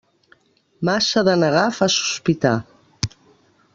Massa de negar fa sospitar.